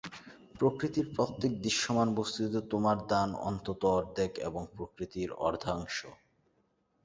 প্রকৃতির প্রত্যেক দৃশ্যমান বস্তুতে তোমার দান অন্তত অর্ধেক এবং প্রকৃতির অর্ধাংশ।